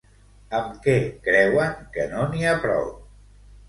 Amb què creuen que no n'hi ha prou?